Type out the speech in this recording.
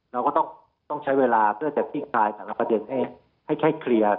เราก็ต้องใช้เวลาเพื่อจะคลี่คลายแต่ละประเด็นให้แค่เคลียร์